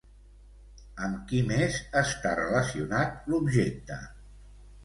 Amb qui més està relacionat l'objecte?